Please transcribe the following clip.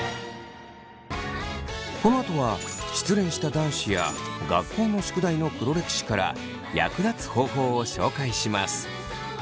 このあとは失恋した男子や学校の宿題の黒歴史から役立つ方法を紹介します。